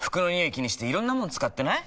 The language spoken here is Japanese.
気にしていろんなもの使ってない？